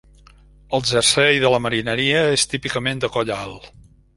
El jersei de la marineria és típicament de coll alt.